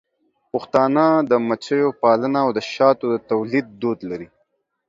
پښتانه د مچیو پالنه او د شاتو د تولید دود لري.